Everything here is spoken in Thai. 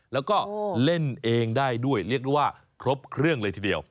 แล้วก็เล่นเองได้ด้วยเรียกได้ว่าครบเครื่องเลยทีเดียว